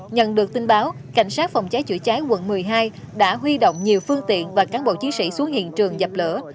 nhận được tin báo cảnh sát phòng cháy chữa cháy quận một mươi hai đã huy động nhiều phương tiện và cán bộ chiến sĩ xuống hiện trường dập lửa